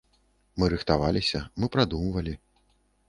Мы рыхтаваліся, мы прадумвалі.